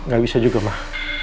gak bisa juga mah